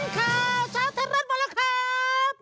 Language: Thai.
สีสันค่ะช้าไทยรัฐหมดแล้วครับ